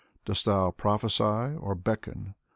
Dost thou prophesy or beckon